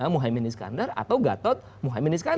muhyemini skandar atau gatot muhyemini skandar